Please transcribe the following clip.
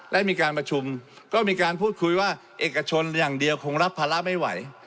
และมีการประชุมก็มีการพูดคุยว่าเอกชนอย่างเดียวคงรับภาระไม่ไหว